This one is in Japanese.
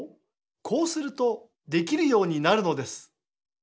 こうするとできるようになるのです。